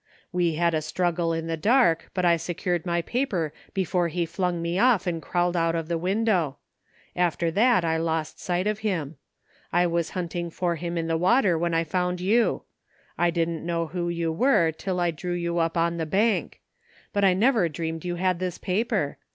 We had a struggle in the dark, but I secured my paper before he flung me off and crawled out of the window. After that, I lost sight of him. I was hunting for him in the water when I found yoa I didn't know who you were till I drew you up on the bank. But I never dreamed you had this paper.